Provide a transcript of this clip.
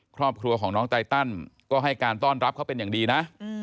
ครอบครัวของน้องไตตันก็ให้การต้อนรับเขาเป็นอย่างดีนะ